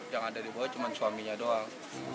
yang ada dibawa cuma suaminya doang